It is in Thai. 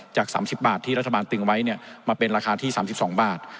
จาก๓๐บาทที่รัฐบาลตึงไว้มาเป็นราคาที่๓๒บาท